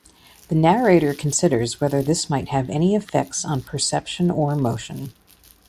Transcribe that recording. The narrator considers whether this might have any effects on perception or motion.